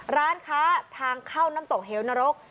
ร้านค้าทางเข้าน้ำตกเหวนรก